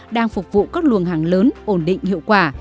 đang phục vụ các luồng hàng lớn ổn định hiệu quả